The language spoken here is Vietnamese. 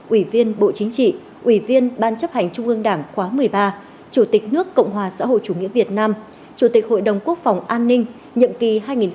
ủy viên bộ chính trị ủy viên ban chấp hành trung ương đảng khóa một mươi ba chủ tịch nước cộng hòa xã hội chủ nghĩa việt nam chủ tịch hội đồng quốc phòng an ninh nhậm kỳ hai nghìn hai mươi một hai nghìn hai mươi sáu